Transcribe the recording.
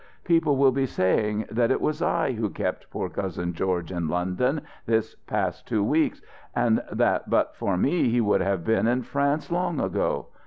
People will be saying that it was I who kept poor Cousin George in London this past two weeks, and that but for me he would have been in France long ago.